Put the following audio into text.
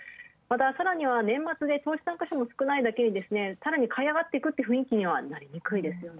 さらに年末で投資家が少ないだけに、さらに買いあがっていくという雰囲気にはなりにくい。